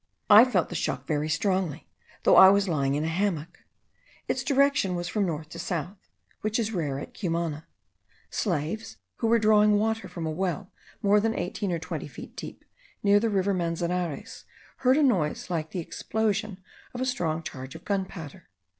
I felt the shock very strongly, though I was lying in a hammock. Its direction was from north to south, which is rare at Cumana. Slaves, who were drawing water from a well more than eighteen or twenty feet deep, near the river Manzanares, heard a noise like the explosion of a strong charge of gunpowder.